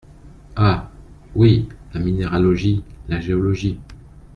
Ah ! oui, la minéralogie, la géologie…